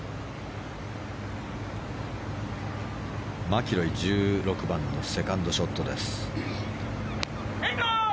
マキロイ１６番のセカンドショットです。